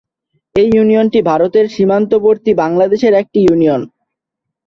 এই ইউনিয়নটি ভারতের সীমান্তবর্তী বাংলাদেশের একটি ইউনিয়ন।